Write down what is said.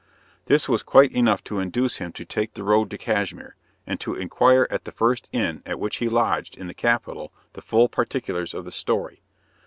This was quite enough to induce him to take the road to Cashmere, and to inquire at the first inn at which he lodged in the capital the full particulars of the story.